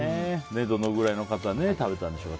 どのぐらいの方食べたんでしょうか。